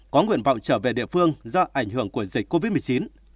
có nguyện vọng trở về địa phương do ảnh hưởng của dịch covid một mươi chín